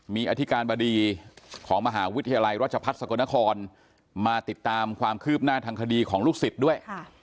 มีอธิการบดีของมหาวิทยาลัยราชพัฒน์สกลนครมาติดตามความคืบหน้าทางคดีของลูกศิษย์ด้วย